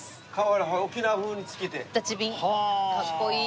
かっこいい。